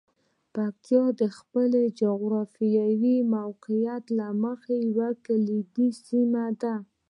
پکتیا د خپل جغرافیايي موقعیت له مخې یوه کلیدي سیمه ده.